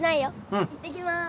いってきます！